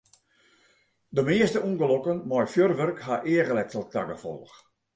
De measte ûngelokken mei fjurwurk ha eachletsel ta gefolch.